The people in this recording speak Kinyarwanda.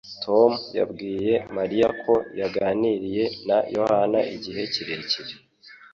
Tom yabwiye Mariya ko yaganiriye na Yohana igihe kirekire.